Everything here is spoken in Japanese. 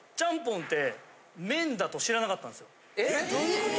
えっ？どういうこと？